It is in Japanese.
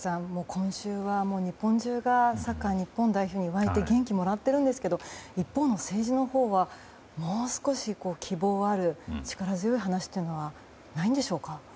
今週は日本中がサッカー日本代表に沸いて元気をもらっているんですけど一方の政治のほうはもう少し、希望がある力強い話というのはないんでしょうか？